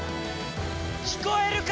聞こえるか？